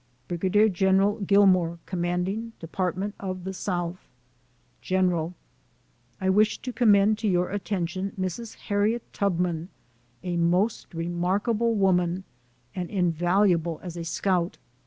BRIG. GEN. GILMAX, Commanding Department of the South GENERAL : I wish to commend to your atten tion, Mrs. Harriet Tubman, a most remarkable woman, and invaluable as a scout.